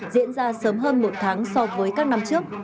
diễn ra sớm hơn một tháng so với các năm trước